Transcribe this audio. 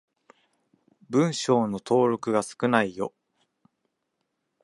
文章の登録が少ないよ。